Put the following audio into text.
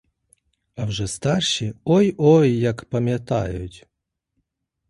А вже старші — ой-ой як пам'ятають.